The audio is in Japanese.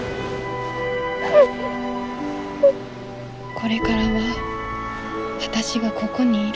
これからは私がここにいる。